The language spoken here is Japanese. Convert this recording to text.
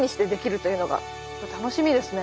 楽しみですね。